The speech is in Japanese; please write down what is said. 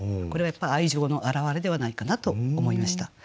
これはやっぱ愛情の表れではないかなと思いました。